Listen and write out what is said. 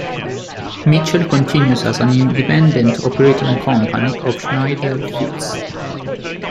Mitchell continues as an independent operating company of Schneider Foods.